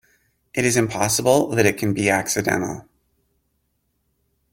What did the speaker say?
It is impossible that it can be accidental!